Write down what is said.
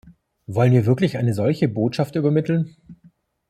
Wollen wir wirklich eine solche Botschaft übermitteln?